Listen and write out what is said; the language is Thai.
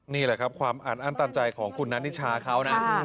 นี่แหละครับความอัดอั้นตันใจของคุณนัทนิชาเขานะ